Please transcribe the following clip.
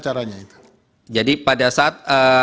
caranya itu jadi pada saat